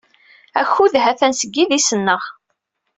Akud ha-t-an seg yidis-nneɣ.